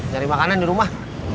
nyari makanan di rumah